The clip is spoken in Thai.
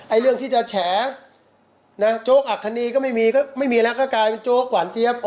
เรื่องที่จะแฉนะโจ๊กอักษณีก็ไม่มีก็ไม่มีแล้วก็กลายเป็นโจ๊กหวานเจี๊ยบ